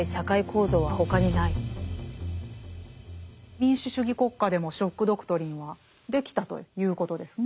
民主主義国家でも「ショック・ドクトリン」はできたということですね。